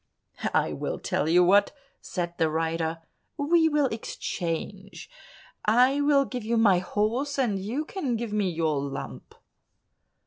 "I will tell you what," said the rider, "we will exchange: I will give you my horse, and you can give me your lump."